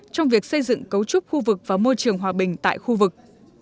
trong việc xây dựng cấu trúc khu vực và môi trường hòa bình tại khu vực